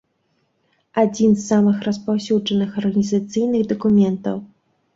Адзін з самых распаўсюджаных арганізацыйных дакументаў.